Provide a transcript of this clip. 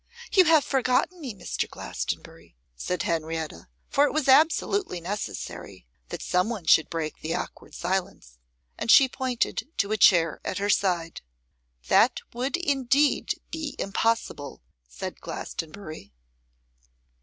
'You have forgotten me, Mr. Glastonbury,' said Henrietta; for it was absolutely necessary that some one should break the awkward silence, and she pointed to a chair at her side. 'That would indeed be impossible,' said Glastonbury.